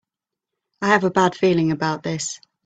I have a bad feeling about this!